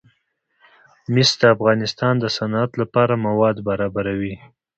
مس د افغانستان د صنعت لپاره مواد برابروي.